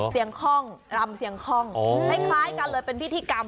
ข้องรำเสียงคล่องคล้ายกันเลยเป็นพิธีกรรม